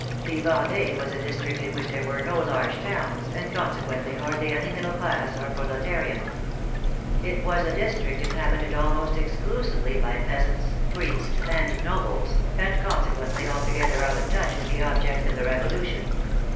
The Vendee was a district in which there were no large towns, and consequently hardly any middle class or pro letariat. It was a district inhabited almost exclusively by peasants, priests, and nobles, and consequently alto gether out of touch with the objects of the Revolution.